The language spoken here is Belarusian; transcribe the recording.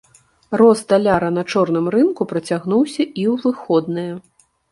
Рост даляра на чорным рынку працягнуўся і ў выходныя.